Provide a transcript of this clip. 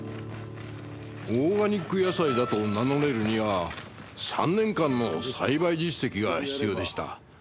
オーガニック野菜だと名乗れるには３年間の栽培実績が必要でした。